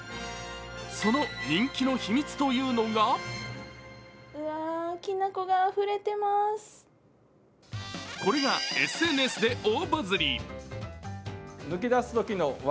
その人気の秘密というのがこれがＳＮＳで大バズり。